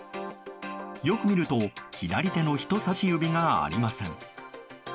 よく見ると左手の人さし指がありません。